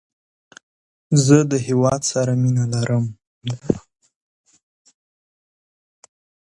زه د هیواد سره مینه لرم.